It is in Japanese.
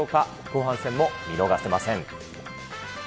後半戦も見逃せません。